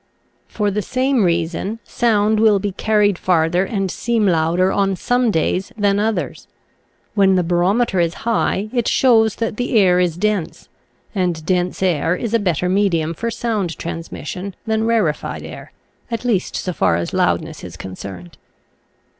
For the same reason sound will be carried farther and seem louder on some days than others. When the barometer is high it shows that the air is dense, and dense air is a better medium for sound transmission than rarified air, at least so far as loudness is concerned.